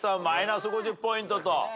マイナス５０ポイントと。